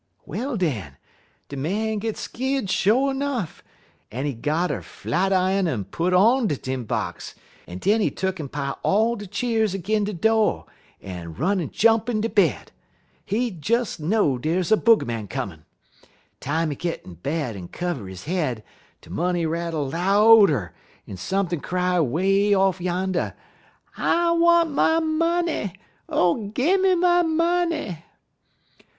_' "Well, den, de Man git skeer'd sho' nuff, en he got er flat iün en put on de tin box, en den he tuck'n pile all de cheers 'gin' de do', en run en jump in de bed. He des know dey's a booger comin'. Time he git in bed en kivver his head, de money rattle louder, en sump'n' cry way off yander: "'_I want my money! Oh, gim me my money!